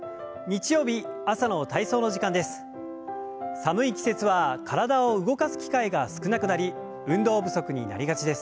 寒い季節は体を動かす機会が少なくなり運動不足になりがちです。